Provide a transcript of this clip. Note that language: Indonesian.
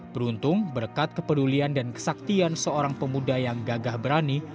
beruntung berkat kepedulian dan kesaktian seorang pemuda yang gagah berani